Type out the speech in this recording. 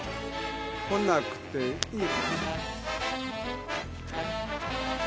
来なくていい。